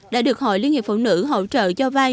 đã được hội liên hiệp phụ nữ hỗ trợ cho các bạn